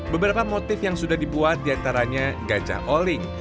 beberapa motif yang sudah dibuat diantaranya gajah oling